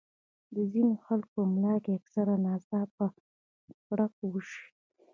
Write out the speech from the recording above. د ځينې خلکو پۀ ملا کښې اکثر ناڅاپه پړق اوشي